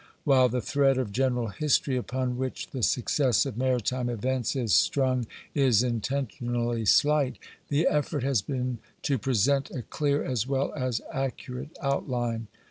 While the thread of general history upon which the successive maritime events is strung is intentionally slight, the effort has been to present a clear as well as accurate outline.